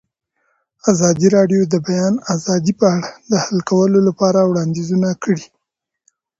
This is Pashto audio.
ازادي راډیو د د بیان آزادي په اړه د حل کولو لپاره وړاندیزونه کړي.